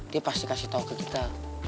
dia pasti kasih tahu ke kita